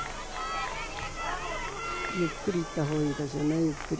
ゆっくりいったほうがいいね、ゆっくり。